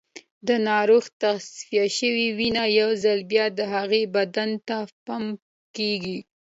د ناروغ تصفیه شوې وینه یو ځل بیا د هغه بدن ته پمپ کېږي.